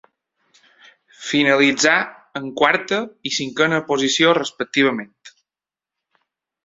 Finalitzà en quarta i cinquena posició respectivament.